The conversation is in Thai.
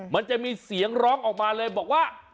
มันจะมีเสียงร้องออกมาเลยบอกว่า